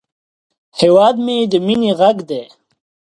هیواد مې د مینې غږ دی